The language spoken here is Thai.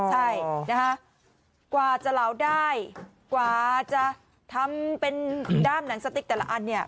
ใช่นะคะกว่าจะเหลาได้กว่าจะทำเป็นด้ามหนังสติ๊กแต่ละอันเนี่ย